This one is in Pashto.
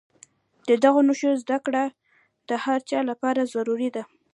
د دغو نښو زده کړه د هر چا لپاره ضروري ده.